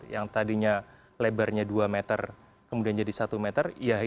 yang tadinya lebarnya dua meter kemudian jadi satu meter ya itu harus dilakukan